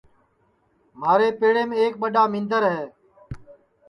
مھارے پیڑیم ایک ٻڈؔا مندر ہے